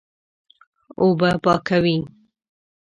اوبه پاکوي.